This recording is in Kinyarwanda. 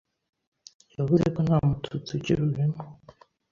yavuze ko nta Mututsi ukirurimo